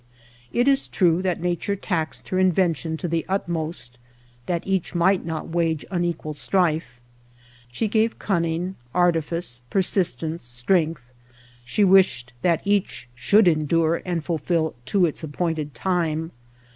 It is true that Nature taxed her invention to the utmost that each might not wage unequal strife. She gave cunning, artifice, persistence, strength ; she wished that each should endure and fulfil to its appointed time.